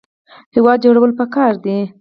هیواد جوړول پکار دي